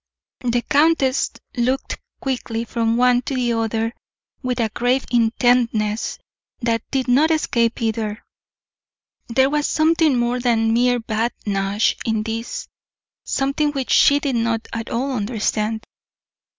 The countess looked quickly from one to the other with a grave intentness that did not escape either. There was something more than mere badinage in this something which she did not at all understand.